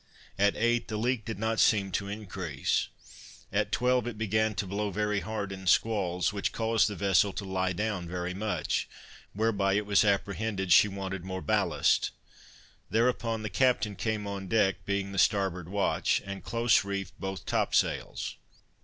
At eight, the leak did not seem to increase. At twelve it began to blow very hard in squalls, which caused the vessel to lie down very much, whereby it was apprehended she wanted more ballast. Thereupon the captain came on deck, being the starboard watch, and close reefed both top sails.